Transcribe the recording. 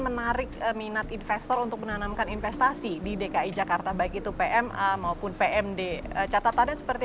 menarik minat investor untuk menanamkan investasi di dki jakarta baik itu pma maupun pmd catatannya seperti